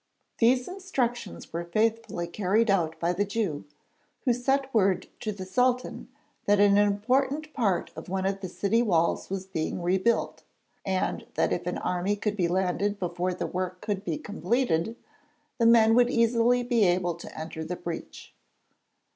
These instructions were faithfully carried out by the Jew, who sent word to the Sultan that an important part of one of the city walls was being rebuilt, and that if an army could be landed before the work could be completed, the men would easily be able to enter the breach.